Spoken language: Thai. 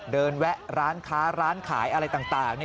แวะร้านค้าร้านขายอะไรต่าง